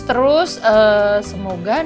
terus semoga nilai